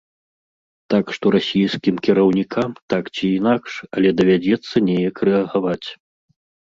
Так што расійскім кіраўнікам так ці інакш, але давядзецца неяк рэагаваць.